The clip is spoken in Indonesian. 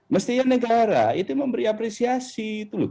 mestinya negara itu memberi apresiasi